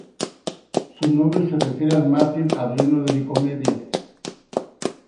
Su nombre se refiere al mártir Adriano de Nicomedia.